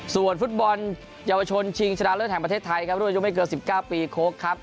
ส่วนฟุตบอลเยาวชนชิงชนะเลิศแห่งประเทศไทยครับรุ่นอายุไม่เกิน๑๙ปีโค้กครับ